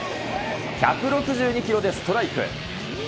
１６２キロでストライク。